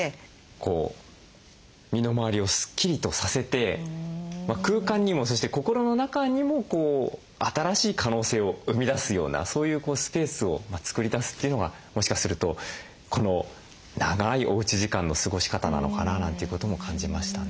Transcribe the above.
こう身の回りをスッキリとさせて空間にもそして心の中にも新しい可能性を生み出すようなそういうスペースを作り出すというのがもしかするとこの長いおうち時間の過ごし方なのかななんていうことも感じましたね。